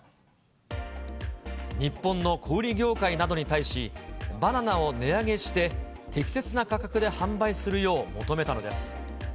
日本の小売り業界などに対し、バナナを値上げして適切な価格で販売するよう求めたのです。